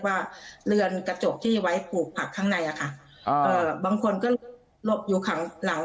ว่าเหลือนกระจกที่ไว้ผูกผักข้างในบางคนก็หลบอยู่ข้างหลัง